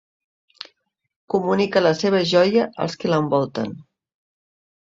Comunica la seva joia als qui l'envolten.